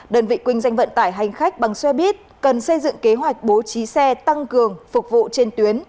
đơn vị kinh doanh vận tải hành khách bằng xe buýt cần xây dựng kế hoạch bố trí xe tăng cường phục vụ trên tuyến